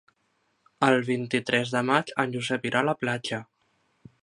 El vint-i-tres de maig en Josep irà a la platja.